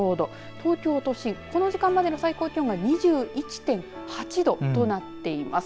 東京都心、この時間までの最高気温が２１．８度となっています。